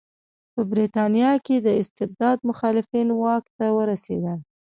په برېټانیا کې د استبداد مخالفین واک ته ورسېدل.